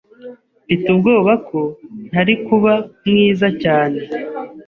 Mfite ubwoba ko ntari kuba mwiza cyane.